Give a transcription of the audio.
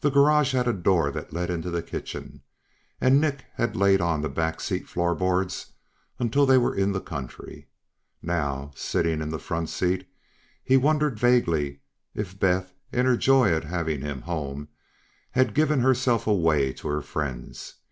The garage had a door that led into the kitchen, and Nick had laid on the back seat floorboards until they were in the country. Now, sitting in the front seat, he wondered vaguely if Beth, in her joy at having him home, had given herself away to her friends.